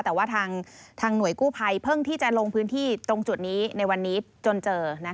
แต่ว่าทางหน่วยกู้ภัยเพิ่งที่จะลงพื้นที่ตรงจุดนี้ในวันนี้จนเจอ